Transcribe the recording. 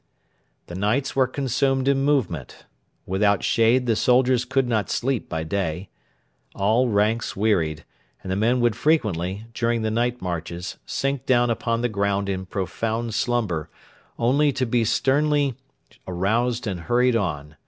The nights were consumed in movement. Without shade the soldiers could not sleep by day. All ranks wearied, and the men would frequently, during the night marches, sink down upon the ground in profound slumber, only to be sternly aroused and hurried on.